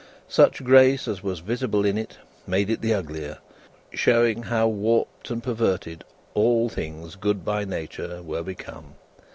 Such grace as was visible in it, made it the uglier, showing how warped and perverted all things good by nature were become.